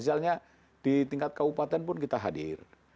misalnya di tingkat kabupaten pun kita hadir